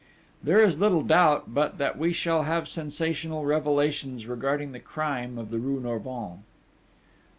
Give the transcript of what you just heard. There is little doubt but that we shall have sensational revelations regarding the crime of the rue Norvins.